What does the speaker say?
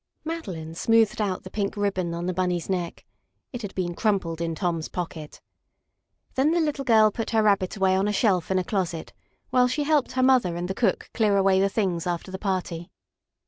Madeline smoothed out the pink ribbon on the Bunny's neck. It had been crumpled in Tom's pocket. Then the little girl put her Rabbit away on a shelf in a closet while she helped her mother and the cook clear away the things after the party.